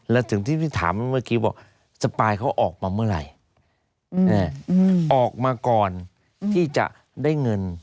และสิ่งที่พี่ถามเมื่อกี้ว่าสปายเขาออกมาเมื่อไหร่ออกมาก่อนที่จะได้เงิน